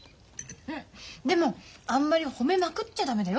でもあんまり褒めまくっちゃダメだよ。